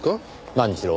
何しろ